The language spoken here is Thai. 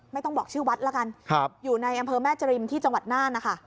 ไม่ต้องบอกชื่อวัดละกันอยู่ในอำเภอแม่จริมที่จังหวัดน่านนะคะ